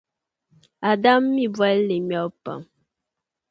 Adam mi bɔlli ŋmebu pam.